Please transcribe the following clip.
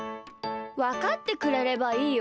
わかってくれればいいよ。